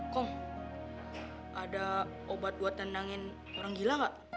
kok ada obat buat nendangin orang gila gak